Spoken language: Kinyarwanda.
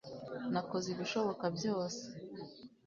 nakoze ibishoboka byose